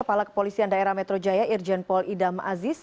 kepala kepolisian daerah metro jaya irjen pol idam aziz